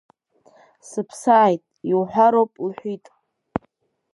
Сыԥсааит, иуҳәароуп, лҳәит.